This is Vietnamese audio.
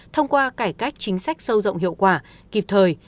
thông qua cải cách chính sách sâu rộng hiệu quả kịp thời